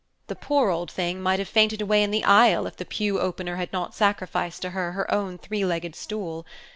The poor old thing might have fainted away in the aisle if the pew opener had not sacrificed to her her own three legged stool.